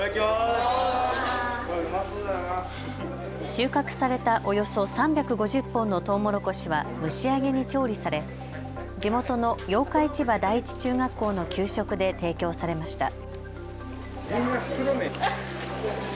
収穫されたおよそ３５０本のトウモロコシは蒸し上げに調理され地元の八日市場第一中学校の給食で提供されました。